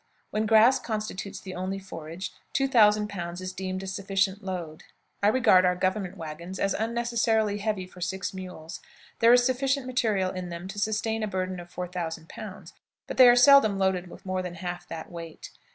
When grass constitutes the only forage, 2000 pounds is deemed a sufficient load. I regard our government wagons as unnecessarily heavy for six mules. There is sufficient material in them to sustain a burden of 4000 pounds, but they are seldom loaded with more than half that weight.